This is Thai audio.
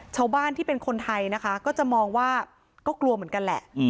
ชาวบ้านที่เป็นคนไทยนะคะก็จะมองว่าก็กลัวเหมือนกันแหละ